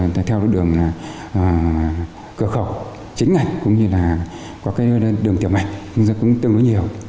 theo đường cửa khẩu chính ngành cũng như là có đường tiểu mạch cũng tương đối nhiều